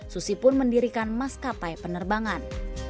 susi pun mendirikan maskapai penerbangan